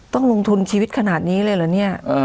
ต้องลงทุนชีวิตขนาดนี้เลยเหรอเนี่ย